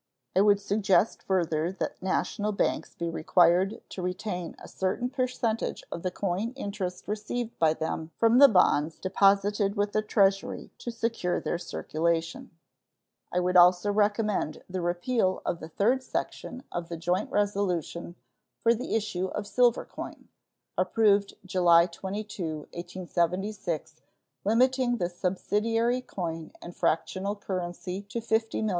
I would suggest further that national banks be required to retain a certain percentage of the coin interest received by them from the bonds deposited with the Treasury to secure their circulation. I would also recommend the repeal of the third section of the joint resolution "for the issue of silver coin," approved July 22, 1876, limiting the subsidiary coin and fractional currency to $50,000,000.